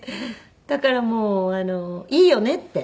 だからもういいよねって。